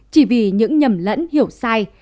chỉ vì những nhầm lẫn hiểu sai